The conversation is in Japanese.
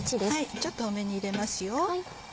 ちょっと多めに入れますよ。